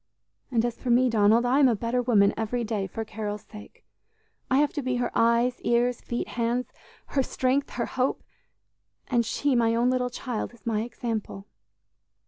And as for me, Donald, I am a better woman every day for Carol's sake; I have to be her eyes, ears, feet, hands her strength, her hope; and she, my own little child, is my example!"